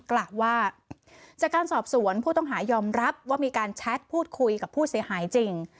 กล่าวว่าจากการสอบสวนผู้ต้องหายอมรับว่ามีการแชทพูดคุยกับผู้เสียหายจริง